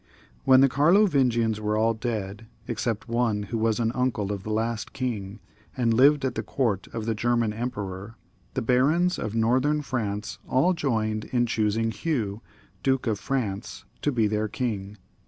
When the Carlovingians were all dead — except one who was an uncle of the last king, and lived at the Court of the German emperor — the barons of northern France all joined in choosing Hugh, Duke of France, to be their king.